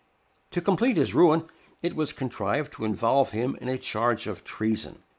To complete his ruin, it was contrived to involve him in a charge of treason.